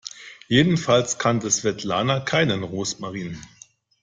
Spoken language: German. Jedenfalls kannte Svetlana keinen Rosmarin.